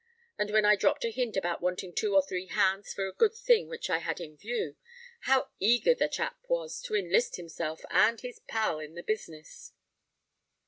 But when I dropped a hint about wanting two or three hands for a good thing which I had in view, how eager the chap was to enlist himself and his pal in the business!"